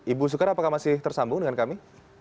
ibu soekar apakah masih tersambung dengan kami